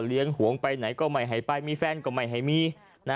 พ่อเลี้ยงหวงไปไหนก็ไม่ให้ไปมีแฟนก็ไม่ให้มีนะ